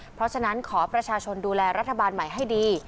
เพราะฉะนั้นขอประชาชนดูแลรัฐบาลใหม่ให้ดี